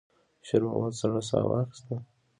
شېرمحمد سړه ساه واخيسته.